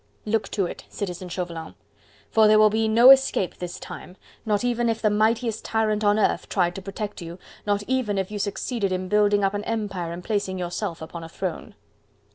"Look to it, Citizen Chauvelin! for there will be no escape this time, not even if the mightiest tyrant on earth tried to protect you, not even if you succeeded in building up an empire and placing yourself upon a throne."